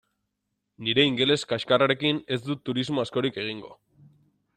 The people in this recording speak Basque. Nire ingeles kaxkarrarekin ez dut turismo askorik egingo.